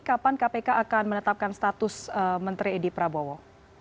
kapan kpk akan menetapkan status menteri edi prabowo